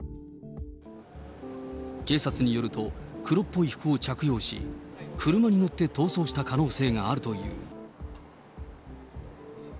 警察によると、黒っぽい服を着用し、車に乗って逃走した可能性があるという。